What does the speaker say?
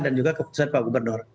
dan juga keputusan pak gubernur